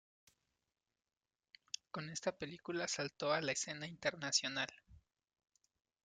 Con esta película saltó a la escena internacional.